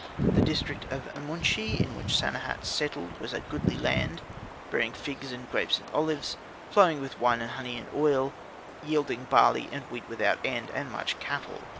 The district of Amuanshi in which Sanehat settled was a goodly land, bearing figs and grapes and olives, flowing with wine and honey and oil, yielding barley and wheat without end, and much cattle.